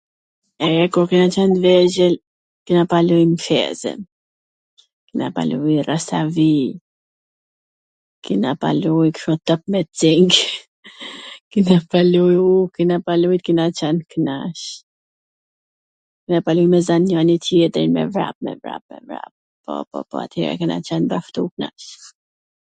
e, kur kena qwn t vegjwl kena pa lu m fezwn, kena pa luj rrasavii.... kena pa lujt top me cengj, kena pa luj, kena qwn knaq, kena pa lu me zan njani tjetrin, me vrap, me vrap, me vrap, po, po, po, atjer kena qwn daftuk na...